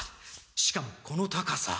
しかもこの高さ。